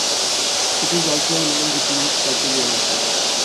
It is also a name which means perseverance.